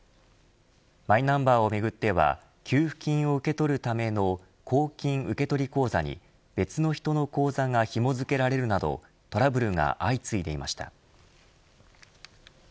マイナンバーをめぐっては給付金を受け取るための公金受取口座に別の人の口座がひも付けられるなどトラブルが相次いでいました。